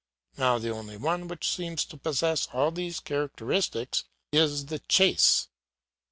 Now the only one which seems to possess all these characteristics is the chase.